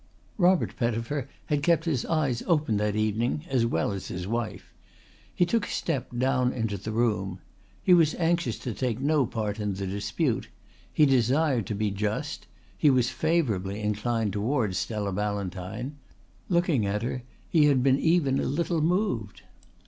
Robert Pettifer had kept his eyes open that evening as well as his wife. He took a step down into the room. He was anxious to take no part in the dispute; he desired to be just; he was favourably inclined towards Stella Ballantyne; looking at her he had been even a little moved.